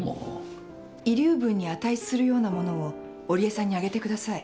遺留分に値するような物を織江さんにあげてください。